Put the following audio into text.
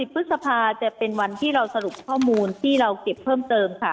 พฤษภาจะเป็นวันที่เราสรุปข้อมูลที่เราเก็บเพิ่มเติมค่ะ